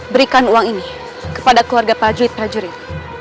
berikan uang ini kepada keluarga pak juit prajurit